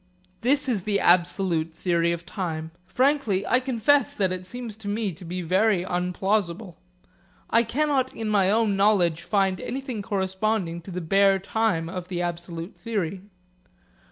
This is the absolute theory of time. Frankly, I confess that it seems to me to be very unplausible. I cannot in my own knowledge find anything corresponding to the bare time of the absolute theory.